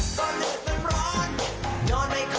ก่อนหนึ่งเป็นร้อนนอนไม่เคย